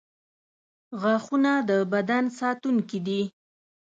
• غاښونه د بدن ساتونکي دي.